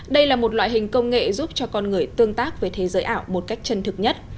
đây là một loại hình công nghệ giúp cho con người tương tác với thế giới ảo một cách chân thực nhất